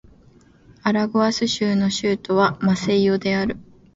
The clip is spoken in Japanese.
アラゴアス州の州都はマセイオである